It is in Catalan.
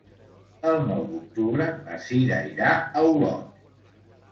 El nou d'octubre na Cira irà a Olot.